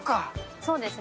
そうですね。